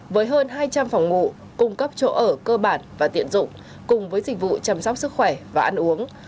với hơn hai trăm linh phòng ngủ cung cấp chỗ ở cơ bản và tiện dụng cùng với dịch vụ chăm sóc sức khỏe và ăn uống